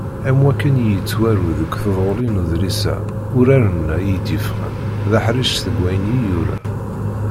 Am wakken i yettwaru deg tduli n udlis-a, uraren-a i d-yeffɣen d aḥric seg wayen i yura.